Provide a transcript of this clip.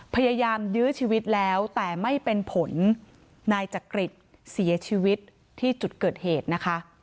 พยายามยื้อชีวิตแล้วแต่ไม่เป็นผลนายจักริตเสียชีวิตที่จุดเกิดเหตุนะคะ